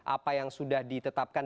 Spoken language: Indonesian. apa yang sudah ditetapkan